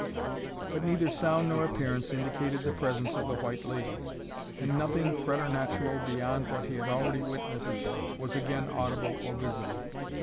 But neither sound nor appearance indicated the presence of the White Lady, and nothing preternatural beyond what he had already witnessed, was again audible or visible.